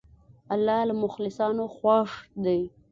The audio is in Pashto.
الله له مخلصانو خوښ دی.